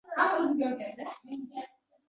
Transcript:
Bir kunimiz ko’ramiz!..